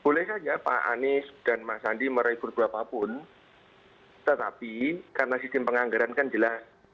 boleh saja pak anies dan mas andi merekrut berapapun tetapi karena sistem penganggaran kan jelas